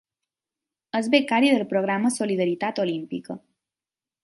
És becari del programa Solidaritat Olímpica.